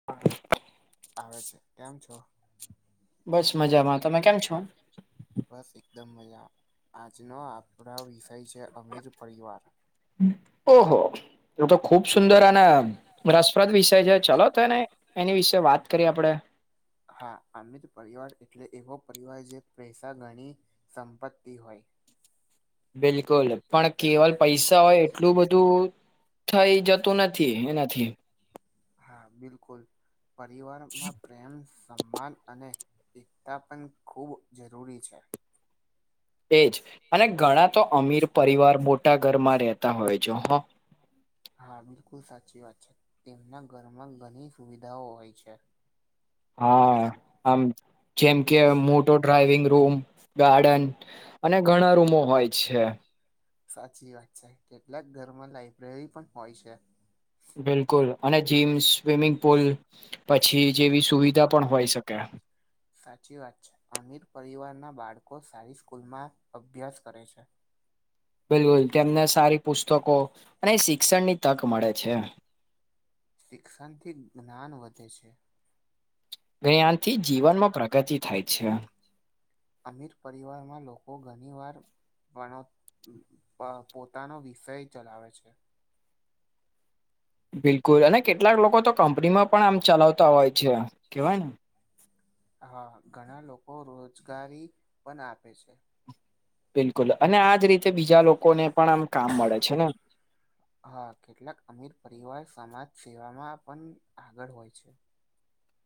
[unintelligible] આવે છે. કેમ છો? બસ મજામાં. તમે કેમ છો? બસ એકદમ મજા. આજનો આપરો વિષય છે અમીર પરિવાર. ઓ હો! તો તો ખુબ સુંદર અને રસપ્રદ વિષય છે ચલો તો એને એની વિશે વાત કરી આપડે. હા અમિત પરિવાર એટલે એવો પરિવાર જે પૈસા ગણી સંપત્તિ હોય. બિલકુલ પણ કેવલ પૈસા હોય એટ એટલું બધું થઈ જતું નથી એનાથી હા બિલકુલ. પરિવારમાં પ્રેમ, સમ્માન અને એકતા પણ ખૂબ જરૂરી છે એજ અને ઘણા તો અમીર પરિવાર બોટા ઘરમાં રહેતા હોય જો હ હા બિલકુલ સાચી વાત છે તેમના ઘરમાં ઘણી સુવિધાઓ હોય છે હા આમ જેમ કે મોટો ડ્રાઈવિંગ રૂમ ગાર્ડન અને ઘણા રૂમો હોય છે. સાચી વાત છે. કેટલાક ઘરમાં લાયબ્રેરી પણ હોય છે. બિલકુલ અને જીમ, સ્વિમિંગ પુલ પછી જેવી સુવિધા પણ હોઈ શકે. સાચી વાત છે. અમીર પરિવારના બાળકો સારી સ્કૂલમાં અભ્યાસ કરે છે. બિલકુલ તેમને સારી પુસ્તકો અને શિક્ષણની તક મળે છે. શિક્ષનથી જ્ઞાન વધે છે. ને આનથી જીવનમાં પ્રગતિ થાય છે. અમીર પરિવારમાં લોકો ઘણી વાર. નો પોતાનો વિષય ચલાવે છે. બિલકુલ અને કેટલાક લોકો તો કંપનીમાં પણ આમ ચલાવતા હોય છે કેવાય ને. હા ઘણા લોકો રોજગારી પણ આપે છે. બિલકુલ અને આજ રીતે બીજા લોકોને પણ આમ કામ મળે છે ને. હા કેટલાક અમીર પરિવાર સમાજ સેવાવામાં પણ આગળ હોય છે.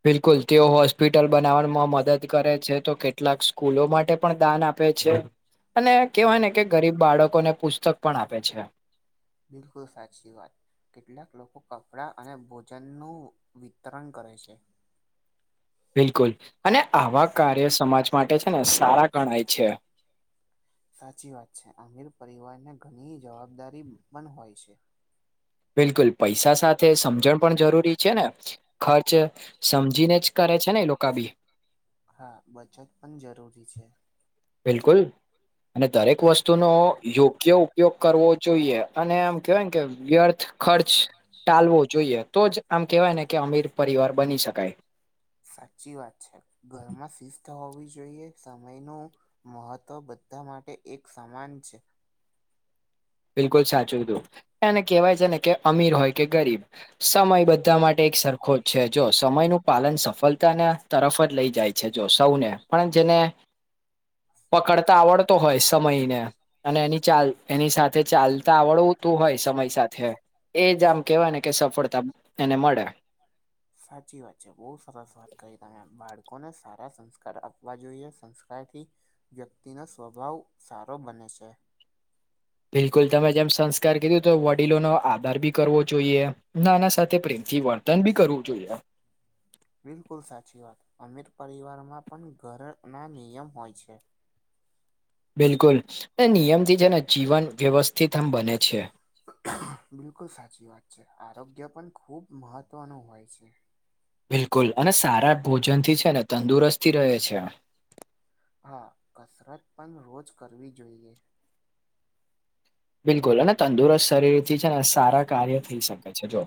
બિલકુલ તેઓ હોસ્પિટલ બનાવમાં મદદ. કરે છે તો કેટલાક સ્કૂલો માટે પણ દાન આપે છે અને હા કેવાય ને કે ગરીબ. બાળકોને પુસ્તક પણ આપે છે. બિલકુલ સાચી વાત. કેટલાક લોકો કપડા અને ભોજનનુંું વિતરણ કરે છે. બિલકુલ અને આવા કાર્ય સમાજ માટે છે ને સારા ગણાય છે. સાચી વાત છે આમિર પરિવારને ઘણી જવાબદારી પણ હોય છે. બિલકુલ પૈસા સાથે સમજણ પણ જરૂરી છે ને ખર્ચ સમજીને જ. કરે છે ને એ લોકો બી. હા બચત પણ જરૂરી છે. બિલકુલ અને દરેક વસ્તુનો યોગ્ય. ઉપયોગ કરવો જોઈએ અને એમ કેહેવાયને કે વ્યર્થ ખર્ચ ટાલવો જોઈએ તો જ. આમ કેવાય ને કે અમીર પરિવાર બની શકાય. સાચી વાત છે ઘરમાં શિસ્ત હોવી જોઈએ સમય ન. મહત્વ બધા માટે એક સમાન છે. બિલકુલ સાચું હતું એને કેહેવાય છે ને કે. અમીર હોય કે ગરીબ સમય બધા માટે એક સરખો જ છે જો. સમય નું પાલન સફળતા ના તરફ જ લઈ જાય છે જો સૌને પણ જેને. હ [unintelligible] પકડતા આવડતો હોય સમયને અને એની ચાલ એની સાથે. ચાલતા આવડવું તું હોય સમય સાથે એજ આમ કેવાય ને કે સફળતા. એને મળે. સાચી વાત છે બહુ સરસ વાત ક તમે બાળકોને સારા સંસ્કાર આપવા જોઈએ સંસ્કારથી. વ્યક્તિનો સ્વભાવ સારો બને છે. બિલકુલ તમે જેમ સંસ્કાર કીધું તો વડીલોનોો આધાર ભી કરવો જોઈએ નાના સાથે પ્રેમથી વ. ન બી કરવું જોઈએ. બિલકુલ સાચી વાત અમીર પરિવારમાં પણ ઘરના નિયમ હોય છે. બિલકુલ એ નિયમથી છે ને જીવન વ્યવસ્થિત આમ બને છે. બિલકુલ સાચી વાત છે આરોગ્ય પણ ખુબ મહત્વનું હોય છે. બિલકુલ અને સારા ભોજન થી છે ને તંદુરસ્તથી રહે છે. હા કસરત પણ રોજ કરવી જોઈએ. બિલકુલ અને તંદુરસ્ત શરીરથી છે ને સારા કાર્ય થઈ શકે છે જો.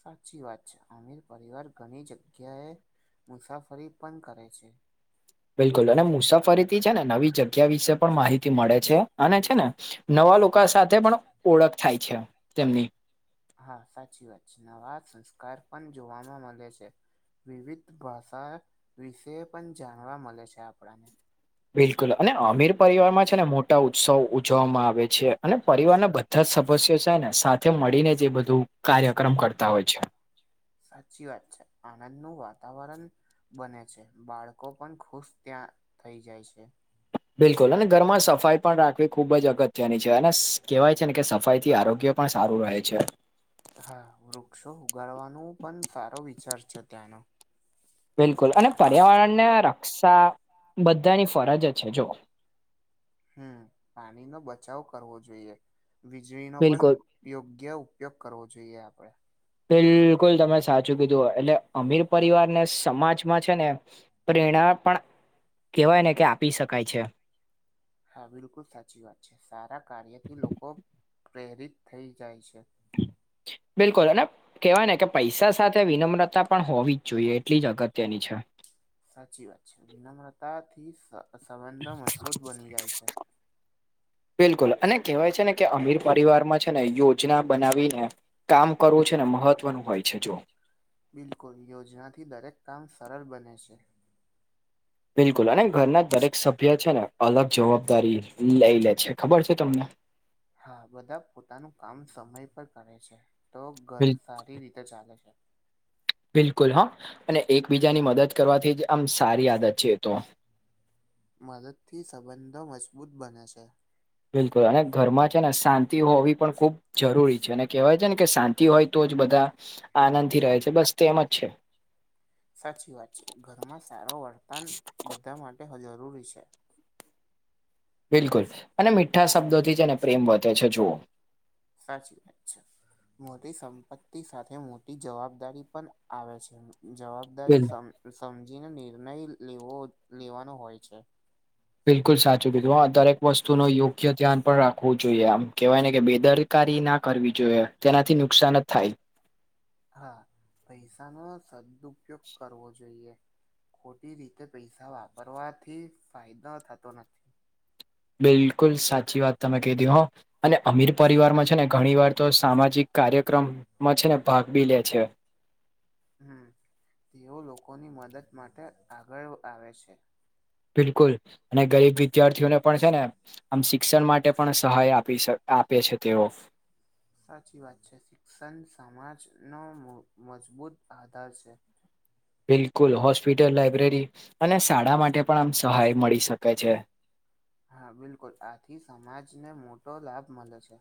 સાચી વાત છે આમિર પરિવાર ઘણી જગ્યાએ મુસાફરી પણ કરે છે. બિલકુલ અને મુસાફરીથી છે ને નવી ચ. વિશે પણ માહિતી મળે છે અને છે ને નવા લોકો સાથે પણ ઓળખ થાય છે. તેમની હા સાચી વાત છે, નવા સંસ્કાર પણ જોવાવામાં મલે છે. વિવિધ ભાષા વિશે પણ જાણવા મળે છે આપણને બિલકુલ અને અમીર પરિવારમાં છે ને મોટા ઉત્સવ ઉજવવામાં આવે છે અને પરિવારના બધા સસ્યો છે ને સાથે મળીને જ બધું કાર્યક્રમ કરતા હોય છે સાચી વાત છે આનંદ ન વાતાવરણ બને છે બાળકો પણ ખુશ ત્યાં થઈ જાય છે બિલકુલ અને ઘરમાં સફાઈ પણ રાખવી ખૂબ જ અગત્યની છે, અને કહેવાય છે, ને કે સફાઈથી આરોગ્ય પણ સારું રહે છે. હા વૃક્ષો ઉગાડવાનો પણ સારો વિચાર છે, ત્યાંનો બિલકુલ અને પર્યાવરણને રક્ષા બધાની ફરજ છે, જુઓ હમ પાણી નો બચાવ કરવો જોઈએ વીજળીનો પણ બિલકુલ યોગ્ય ઉપયોગ કરવો જોઈએ આપડે બિલકુલ તમે સાચું કીધું હો એટલે અમીર પરિવાર ને સમાજમાં છે, ને પ્રેરણા પણ કેહેવાય ને કે આપી શકાય છે. હા બિલકુલ સાચી વાત છે, સારા કાર્યથી લોકો પ્રેરિત થઈ જાય છે. બિલકુલ અને કેવાય ને કે પૈસા સાથે વિનમ્રતા પણ હોવી જ જોઈએ એટલી જ અગત્યની છે. સાચી વાત છે, વિનમ્રતા થી સ સંબંધો મજબૂત બની જાય છે. બિલકુલ અને કહેવાય છે, ને કે અમીર પરિવારમાં છે, ને યોજના બનાવીને કામ કરવું છે, ને મહત્વનું હોય છે, જો બિલકુલ યોજનાથી દરેક કામ સરળ બને છે. બિલકુલ અને ઘરના દરેક સભ્ય છે, ને અલગ જવાબદારી લેય લે છે, ખબર છે, તમને? હા બધા પોતાનું કામ સમય પર કરે છે, તો ઘર બિલ સારી રીતે ચાલે છે. બિલકુલ હ અને એકબીજાની મદદ કરવાથી જ આમ સારી આદત છે, તો મદદથી સંબંધો મજબૂત બને છે. બિલકુલ અને ઘરમાં છે, ને શાંતિ હોવી પણ ખૂ જરૂરી છે, અને કહેવાય છે, ને કે શાંતિ હોય તો જ બધા આનંદથી રહે છે, બસ તેમ જ છે. સાચી વાત છે, ઘરમાં સારો વર્તન બધા માટે જરૂરી છે. બિલકુલ અને મીઠા શબ્દોથી છે, ને પ્રેમ વધે છે, જુઓ સાચી વાત છે. મોટી સંપત્તિ સાથે મોટી જવાબદારી પણ આવે છે, જવાબ દારી બિલ સમજીને નિર્ણય લેવો લેવાનો હોય છે. બિલકુલ સાચું કીધું આ દરેક વસ્તુ ન યોગ્ય ધ્યાન પણ રાખવું જોઈએ આમ કહેવાય ને કે બે દર કારી ના કરવી જોઈએ તેનાથી નુકસાન જ થાય હા પૈસાનો સદપયોગ કરવો જોઈએ ખોટી રીતે પૈસા વાપરવાથી ફાયદો થતો નથી. બિલકુલ સાચી વાત તમે કીધી હો અને અમીર પરિવારમાં છે, ને ઘણી વાર તો સામાજિક કાર્યક્રમમાં છે, ને ભાગ બી લે છે. હમ તેઓ લોકોની મદદ માટે આગળ આવે છે. બિલકુલ અને ગરીબ વિદ્યાર્થીઓને પણ છે, ને આમ શિક્ષણ માટે પણ સહાય આપી આપે છે, તેઓ સાચી વાત છે, શિક્ષણ સમાજનો મો મજબૂત આધાર છે. બિલકુલ હોસ્પિટલ, લાઈબ્રેરી અને શાળા માટે પણ આમ સહાય મળી શકે છે. હા બિલકુલ આથી સમાજને મોટો લાભ મલે છે.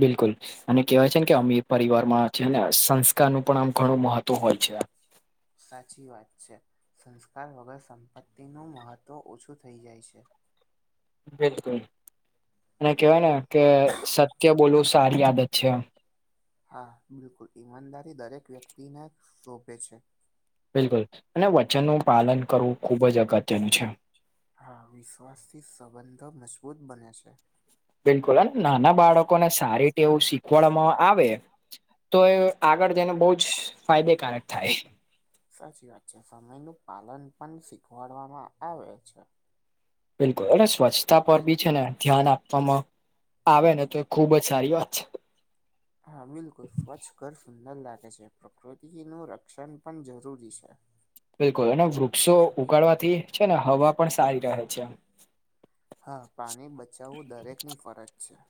બિલકુલ. અને કેહેવાય છે, ને કે અમી પરિવાર માં છે, ને સંસ્કારનું પણ આમ ઘણું મહત્વ હોય છે. સાચી વાત છે, સંસ્કાર વગર સંપત્તિનું મહત્વ ઓછું થઈ જાય છે. બિલકુલ અને કેવાય ને કે સત્ય બોલવુ સારી આદત છે. હા બિલકુલ ઈમાનદારી દરેક વ્યક્તિના શોભે છે. બિલકુલ અને વચનનું પાલન કરવું ખુબ જ અગત્યનું છે. હા વિશ્વાસથી સંબંધો મજબૂત બને છે. બિલકુલ અને નાના બાળકોને સારી તેવ શીખવાડવામાં આવે તો એ આગળ જઈને બો જ ફાયદેકારક થાય સાચી વાત છે, સમયનું પાલન પણ શીખવાડવામાં આવે છે. બિલકુલ એ સ્વચ્છતા પર બી છે ને ધ્યાન આપવામાં આવે ને તો એ ખુબ જ સારી વાત છે. હા બિલકુલ સ્વચ્છ ઘર સુંદર લાગે છે પ્રકૃતિનું રક્ષણ પણ જરૂરી છે. બિલકુલ અને વૃક્ષો ઉગાડવાથી છે ને હવા પણ સારી રહે છે. હા પાણી બચાવવું દરેકની ફરજ છે.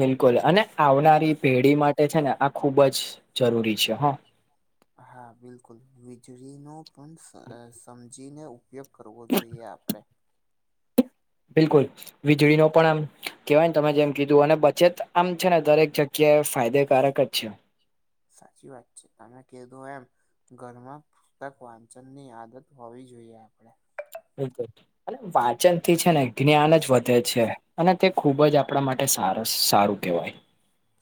બિલકુલ અને આવનારી પેઢી માટે છે ને આ ખૂબ જ જરૂરી છે હ. [unintelligible] હા બિલકુલ વીજળીનો પણ સર સમજીને ઉપયોગ કરવો જોઈએ આપણે. બિલકુલ વીજળી નો પણ આમ કેહેવાય ને તમે જેમ કીધું અને બચેત આમ છે ને દરેક જગ્યા. કેયા ફાયદકારક જ છે. સાચી વાત છે તમે કધુ એમ. ઘરમાં પુસ્તક વાંચન ની આદત હોવી જોઈએ આપણેે. બિલકુલ અને વાંચન થી છે ને જ્ઞાન જ વધે છે. અને તે ખૂબ જ આપણા માટે સારસ સારું કહેવાય.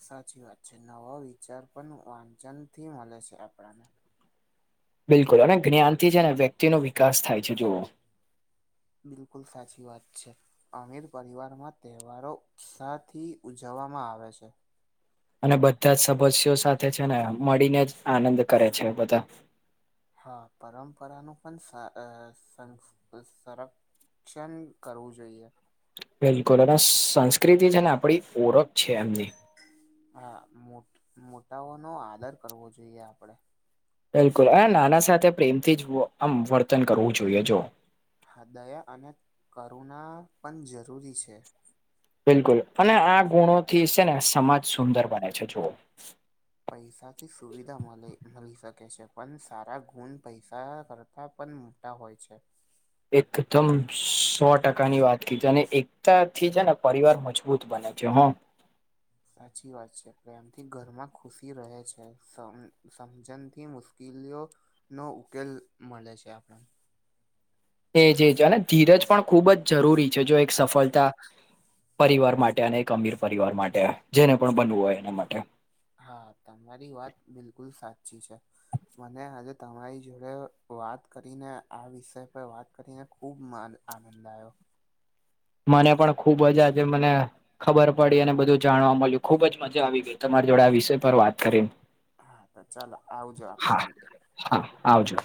સાચી વાત છે નવા વિચાર પણ વાંચન થી મળે છે આપણાને. બિલકુલ અને જ્ઞાનથી છે ને વ્યક્તિ ન વિકાસ થાય છે જુઓ. બિલકુલ સાચી વાત છે. અમીર પરિવારમાં તહેવારો ઉત્સાહથી ઉજવવામાં આવે છે. અને બધા જ સદસ્યો સાથે છે ને મળીને જ આનંદ કરે છે બધા. હા પરંપરાનું પણ સારસ સન સનુ સરક. શિક્ષણ કરવું જોઈએ. બિલકુલ અને સી સંસ્કૃતિ છે ને આપડી ઓળખ. છે એમની. હા મો મોટાઓ નો આદર કરવો જોઈએ આપડે. બિલકુલ આ નાના સાથે પ્રેમથી વો આમ વર્તન કરવું જોઈએ જો. હૃદયા અને કરુણા પણ જરૂરી છે. બિલકુલ અને આ ગુણોથી છે ને સમાજ સુંદર બને છે જુવો. પૈસા થી સુવિધા મળે મળી શકે છે પણ સારા ગુણ પૈસા કર. હા પણ મોટા હોય છે. એકદમ સો ટકા ની વાત કી છે અને એકતા થી છે ને પરિવાર મજબૂત બને છે હા. સાચી વાત છે પ્રેમથી ઘરમાં ખુશી રહે છે સમ સમજણથી મુશ્કેલ. કલીઓ નો ઉકેલ મળે છે આપણે. એજજ અને ધીરજ પણ ખૂબ જ જરૂરી છે જો એક સફળતા. પરિવાર માટે અને એક અમીર પરિવાર માટે જેને પણ બનવું હોય એના માટે. હા તમારી વાત બિલકુલ સાચી છે. મને આજે તમારી જોડે વાત કરીને આ વિષય પર વાત. કરીને ખૂબ માર આનંદ આવ્યો. મને પણ ખુબજ આજે મને. ખબર પડી અને બધું જાણવા મળ્યું ખુબ જ મજા આવી ગઈ તમારી જોડે આ વિષય પર વાત કરીને. હા ત ચાલ આવજો આપડે હા મળીએ. હા આવજો.